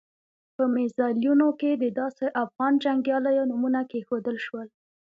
په میزایلونو د داسې افغان جنګیالیو نومونه کېښودل شول.